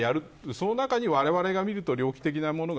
その中に、われわれが見ると猟奇的なものが。